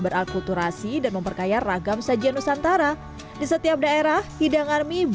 berakulturasi dan memperkaya ragam sajian nusantara di setiap daerah hidangan mie